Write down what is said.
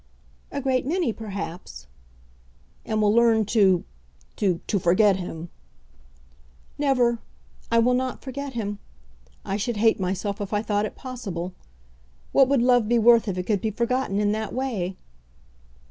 "A great many perhaps." "And will learn to, to, to forget him." "Never! I will not forget him. I should hate myself if I thought it possible. What would love be worth if it could be forgotten in that way?"